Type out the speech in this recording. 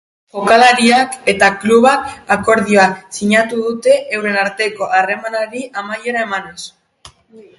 Jokalariak eta klubak akordioa sinatu dute euren arteko harremanari amaiera emanez.